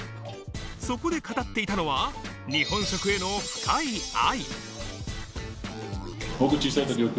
そこで語っていたのは日本食への深い愛。